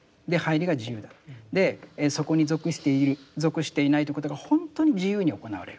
でそこに属している属していないということが本当に自由に行われる。